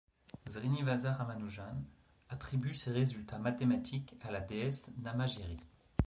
Srinivasa Ramanujan attribue ses résultats mathématiques à la déesse Namagiri.